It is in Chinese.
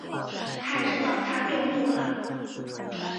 他知道她动怒了